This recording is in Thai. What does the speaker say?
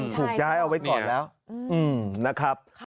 ถูกย้ายเอาไว้ก่อนแล้วนะครับ